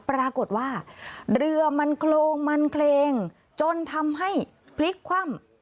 ปรากฏว่าเรือมันโครงมันเคลงจนทำให้พลิกคว่ำ